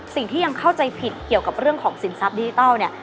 สิ่งที่ยังเข้าใจผิดเกี่ยวกับเรื่องของสินทรัพย์ดิจิทัลเนี่ย